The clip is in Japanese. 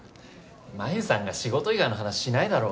真夢さんが仕事以外の話しないだろ。